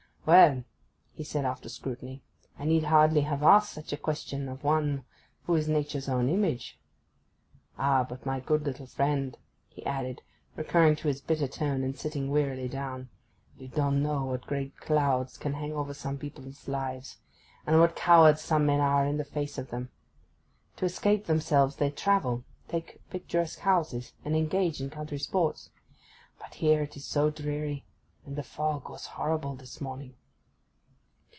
'Well,' he said, after his scrutiny, 'I need hardly have asked such a question of one who is Nature's own image ... Ah, but my good little friend,' he added, recurring to his bitter tone and sitting wearily down, 'you don't know what great clouds can hang over some people's lives, and what cowards some men are in face of them. To escape themselves they travel, take picturesque houses, and engage in country sports. But here it is so dreary, and the fog was horrible this morning!